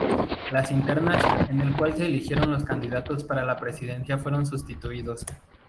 Las internas en el cual se eligieron los candidatos para la Presidencia fueron sustituidos.